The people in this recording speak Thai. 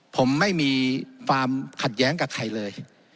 ผมไม่มีความขัดแย้งกับใครเลย